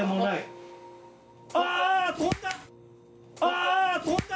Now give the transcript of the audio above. あ飛んだ！